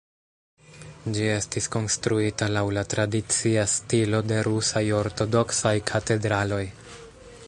Ĝi estis konstruita laŭ la tradicia stilo de rusaj ortodoksaj katedraloj.